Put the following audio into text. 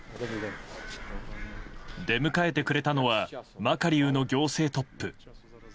出迎えてくれたのはマカリウの行政トップ。